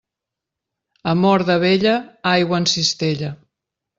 Amor de vella, aigua en cistella.